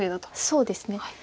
そうですね。